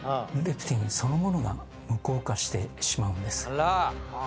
あら！